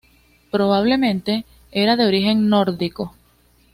Probablemente era de origen nórdico.